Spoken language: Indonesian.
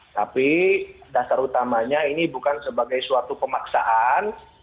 tapi dasar utamanya ini bukan sebagai suatu pemaksaan